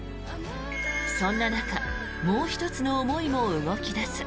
そんな中もう１つの思いも動き出す。